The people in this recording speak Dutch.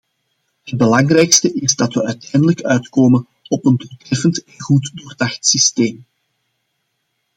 Het belangrijkst is dat we uiteindelijk uitkomen op een doeltreffend en goed doordacht systeem.